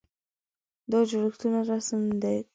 دا جوړښتونه رسم کړئ.